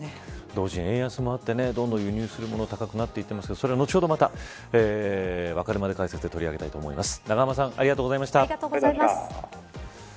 同時に円安もあってどんどん輸入するもの高くなっていってますがそれは後ほど、またわかるまで解説で取り上げたいと思います。